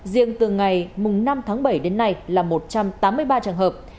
riêng từ ngày năm tháng bảy đến nay là một trăm tám mươi ba trường hợp